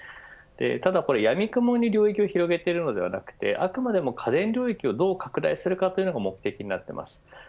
ただやみくもに領域を広げているのではなくてあくまでも家電領域をどう拡大化するかが目的です。